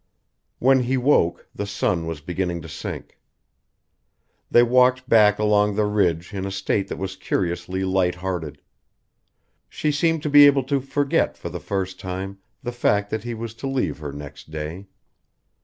When he woke the sun was beginning to sink. They walked back along the ridge in a state that was curiously light hearted. She seemed to be able to forget for the first time the fact that he was to leave her next day.